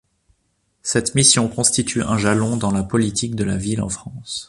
Cette mission constitue un jalon dans la politique de la ville en France.